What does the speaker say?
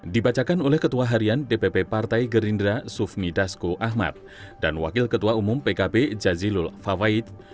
dibacakan oleh ketua harian dpp partai gerindra sufmi dasko ahmad dan wakil ketua umum pkb jazilul fawait